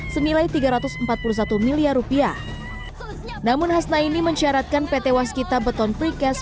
senilai tiga ratus empat puluh satu miliar rupiah namun hasnaini mencaratkan pt waskita beton prikes